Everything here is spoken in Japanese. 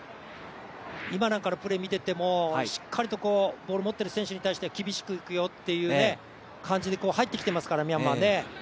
今のプレーなんかを見てても、ボールを持っている選手に対して厳しくいくよっていう感じで入ってきてますから、ミャンマー。